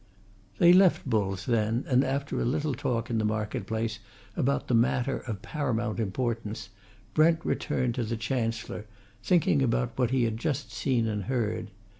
They left Bull's then, and after a little talk in the market place about the matter of paramount importance Brent returned to the Chancellor, thinking about what he had just seen and heard.